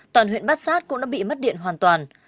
toàn huyện bát sát cũng đã bị mất điện hoàn toàn